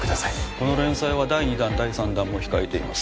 この連載は第２弾第３弾も控えています